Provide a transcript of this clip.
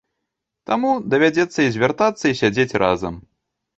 Таму, давядзецца і звяртацца, і сядзець разам.